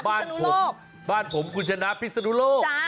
บ้านผมบ้านผมคุณชนะพิศนุโลก